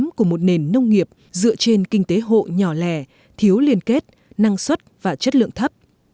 sản phẩm của một nền nông nghiệp dựa trên kinh tế hộ nhỏ lẻ thiếu liên kết năng suất và chất lượng thấp